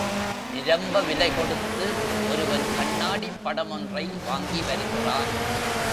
நிரம்ப விலை கொடுத்து ஒருவன் கண்ணாடிப் படம் ஒன்றை வாங்கி வருகிறான்.